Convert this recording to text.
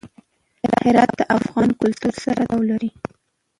هرات د افغان کلتور سره تړاو لري.